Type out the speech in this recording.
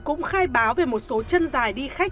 cũng khai báo về một số chân dài đi khách